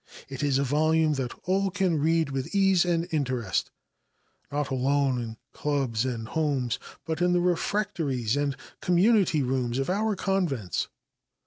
It is a volume that all can read with ease and interest not alone in clubs and homes, but in the refectories and community rooms of our convents.